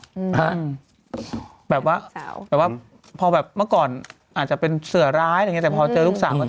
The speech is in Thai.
ครับแบบว่าแบบว่าพอแบบเมื่อก่อนอาจจะเป็นเสือร้ายอย่างเงี้ยแต่พอเจอลูกสาวจะแบบ